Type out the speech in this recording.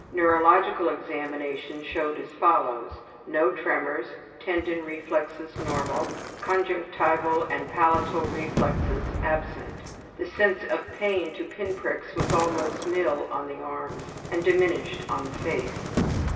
Neurological examination showed as follows: No tremors. Tendon reflexes normal. Conjunctival and palatal reflexes absent. The sense of pain to pin pricks was almost nil on the arms, and diminished on the face.